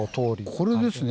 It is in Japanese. これですね。